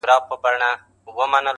• ساقي زده له صراحي مي د زړه رازکی..